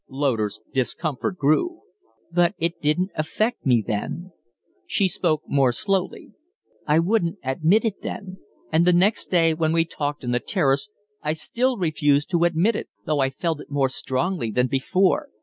Loder's discomfort grew. "But it didn't affect me then." She spoke more slowly. "I wouldn't admit it then. And the next day when we talked on the Terrace I still refused to admit it though I felt it more strongly than before.